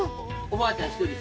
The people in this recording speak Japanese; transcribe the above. おばあちゃん。